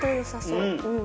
うん。